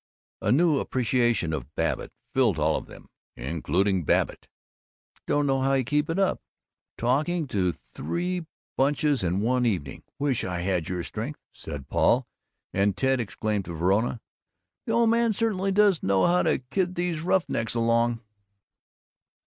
A new appreciation of Babbitt filled all of them, including Babbitt. "Don't know how you keep it up, talking to three bunches in one evening. Wish I had your strength," said Paul; and Ted exclaimed to Verona, "The old man certainly does know how to kid these roughnecks along!"